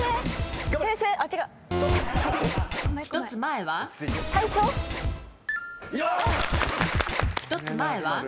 １つ前は？